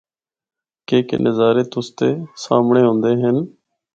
کے کے نظارے تُسدے دے سامنڑے ہوندے ہن۔